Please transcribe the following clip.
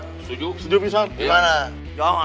mau terus berpukuhan terus disini